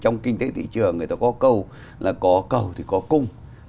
người ta có câu là có câu thì có cung